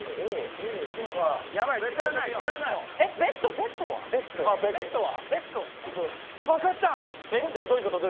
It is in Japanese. ベッドベッドは？